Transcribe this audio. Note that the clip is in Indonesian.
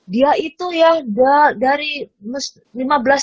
dia itu ya dari lima belas tahun yang lalu pernah ngutang ya